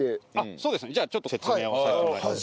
そうですねじゃあちょっと説明をさせてもらいます。